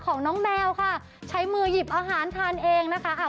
ของน้องแมวค่ะใช้มือหยิบอาหารทานเองนะคะ